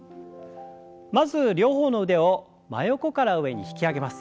まず両方の腕を真横から上に引き上げます。